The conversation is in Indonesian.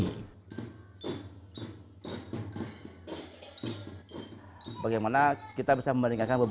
yang menerima manfaatnya dari buddha buddha